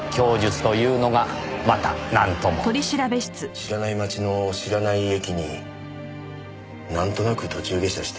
知らない町の知らない駅になんとなく途中下車して。